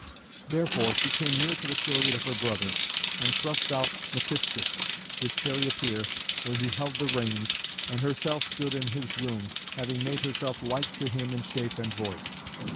Therefore she came near to the chariot of her brother, and thrust out Metiscus, his charioteer, where he held the reins, and herself stood in his room, having made herself like to him in shape and voice.